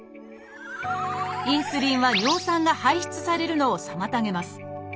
インスリンは尿酸が排出されるのを妨げます。